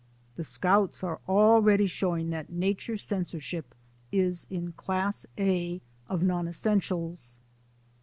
The Scouts are already showing that nature censorship is in Class A of non essentials.